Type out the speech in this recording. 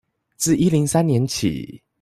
自一零三年起